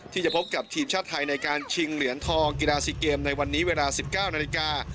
ที่จะพบกับทีมชาติไทยในการชิงเหรียญทองกีฬา๔เกมในวันนี้เวลา๑๙นาฬิกา